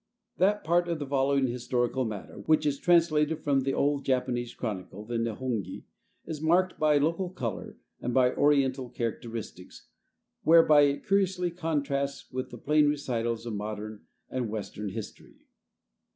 That part of the following historical matter, which is translated from the old Japanese chronicle, the Nehongi, is marked by local color and by Oriental characteristics, whereby it curiously contrasts with the plain recitals of modern and Western history.